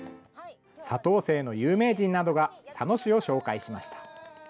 佐藤姓の有名人などが佐野市を紹介しました。